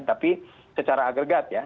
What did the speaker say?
tapi secara agregat ya